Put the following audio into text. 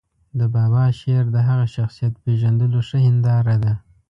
د بابا شعر د هغه شخصیت پېژندلو ښه هنداره ده.